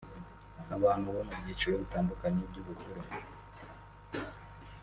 Abantu bo mu byiciro bitandukanye by’ubukure